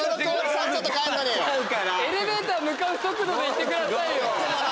エレベーター向かう速度で行ってくださいよ。